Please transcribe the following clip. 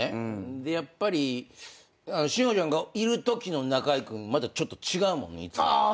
でやっぱり慎吾ちゃんがいるときの中居君またちょっと違うもんねいつもと。